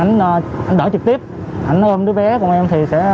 anh tỉnh đỡ trực tiếp anh ôm đứa bé của em